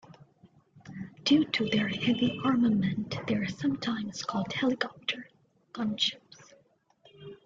Due to their heavy armament they are sometimes called helicopter gunships.